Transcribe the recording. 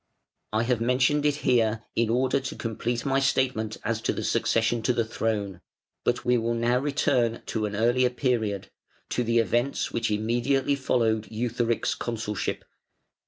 I have mentioned it here in order to complete my statement as to the succession to the throne, but we will now return to an earlier period to the events which immediately followed Eutharic's consulship.